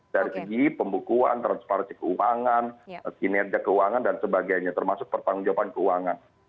dari segi pembukuan transparansi keuangan kinerja keuangan dan sebagainya termasuk pertanggung jawaban keuangan